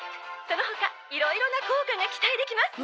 その他いろいろな効果が期待できます」